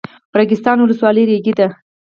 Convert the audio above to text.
ریګستان ولسوالۍ ریګي ده؟